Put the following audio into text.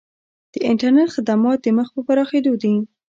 د انټرنیټ خدمات مخ په پراخیدو دي